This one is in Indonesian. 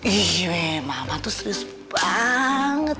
iya mama tuh susah banget